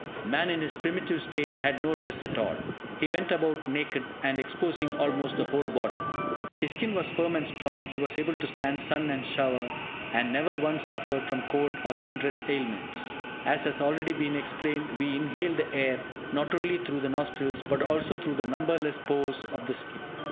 Man in his primitive state had no dress at all; he went about naked, and exposing almost the whole body. His skin was firm and strong, he was able to stand sun and shower, and never once suffered from cold and kindred ailments. As has already been explained, we inhale the air not only through the nostrils, but also through the numberless pores of the skin.